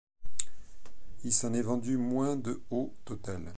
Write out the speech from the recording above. Il s'en est vendu moins de au total.